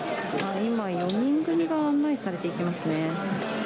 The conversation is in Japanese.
今、４人組が案内されていきますね。